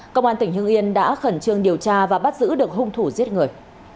công an tỉnh hưng yên đã khẩn trương điều tra và bắt giữ được hung thủ giết người